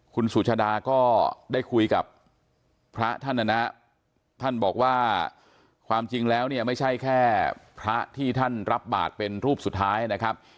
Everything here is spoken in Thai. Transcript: คุณสุชาดาก็ได้คุยกับพระท่านนะนะท่านบอกว่าความจริงแล้วเนี่ยไม่ใช่แค่พระที่ท่านรับบาทเป็นรูปสุดท้ายนะครับ